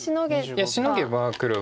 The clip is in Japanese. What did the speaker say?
いやシノげば黒が。